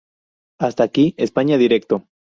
Hasta aquí "España Directo".